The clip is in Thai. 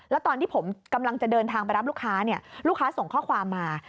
แล้วตอนที่ผมกำลังจะเดินทางไปรับลูกค้าเนี่ยลูกค้าส่งข้อความมา